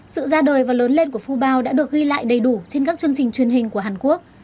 sự ra đời và lớn lên của fubeo đã được ghi lại đầy đủ trên các chương trình truyền hình của hàn quốc